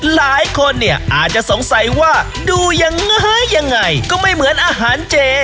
หลายคนเนี่ยอาจจะสงสัยว่าดูยังไงยังไงก็ไม่เหมือนอาหารเจ